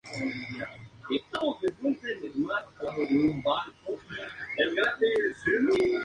Se encuentra en Tailandia y Filipinas.